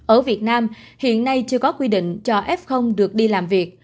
ở việt nam hiện nay chưa có quy định cho f được đi làm việc